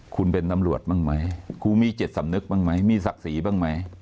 คุณเป็นตำรวจบ้างไหมครูมีจิตสำนึกบ้างไหมมีศักดิ์ศรีบ้างไหม